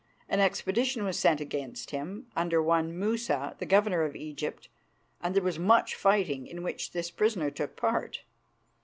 An expedition was sent against him, under one Musa, the Governor of Egypt, and there was much fighting, in which this prisoner took part.